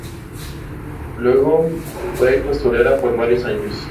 Ha participado en el programa Vivo Mi Pueblo de la Diputación de Palencia.